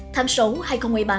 tháng sáu hai nghìn một mươi ba